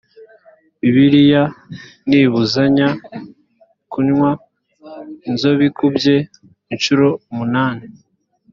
bibiliya ntibuzanya kunywa inzobikubye incuro umunani